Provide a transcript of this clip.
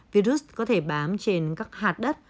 virus có thể bám trên các hạt đất